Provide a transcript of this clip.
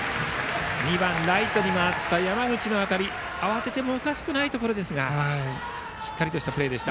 ２番ライトに回った山口の当たり慌ててもおかしくないところですがしっかりとしたプレーでした。